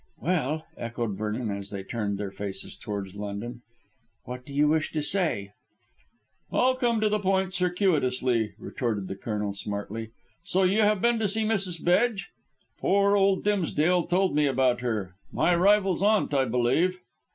"Well," echoed Vernon, as they turned their faces towards London, "what do you wish to say?" "I'll come to the point circuitously," retorted the Colonel smartly. "So you have been to see Mrs. Bedge? Poor old Dimsdale told me about her. My rival's aunt, I believe?"